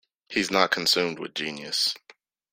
He's not consumed with genius.